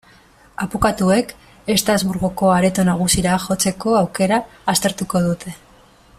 Abokatuek Estrasburgoko Areto Nagusira jotzeko aukera aztertuko dute.